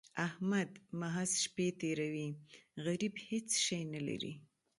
احمد محض شپې تېروي؛ غريب هيڅ شی نه لري.